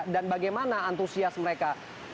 dan bagaimana antusias mereka